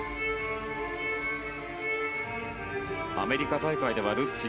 アメリカ大会はルッツ